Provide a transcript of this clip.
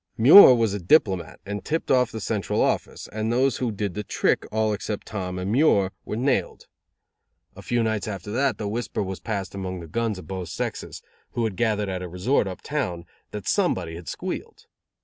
Muir was a diplomat, and tipped off the Central Office, and those who did the trick, all except Tom and Muir, were nailed. A few nights after that the whisper was passed among guns of both sexes, who had gathered at a resort up town, that somebody had squealed.